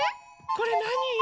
これなに？